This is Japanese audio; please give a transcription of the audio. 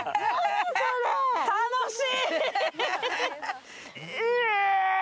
楽しい！